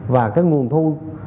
và cái nguồn thu